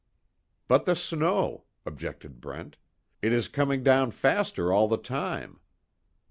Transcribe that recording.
"But, the snow," objected Brent. "It is coming down faster all the time."